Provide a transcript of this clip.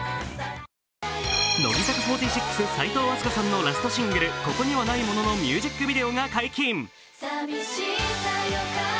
乃木坂４６・齋藤飛鳥さんのラストシングル「ここにはないもの」のミュージックビデオが解禁。